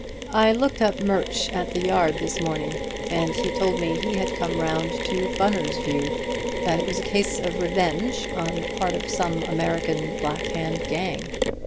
I looked up Murch at the Yard this morning, and he told me he had come round to Bunner's view, that it was a case of revenge on the part of some American black hand gang.